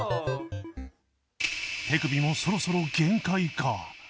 手首もそろそろ限界か？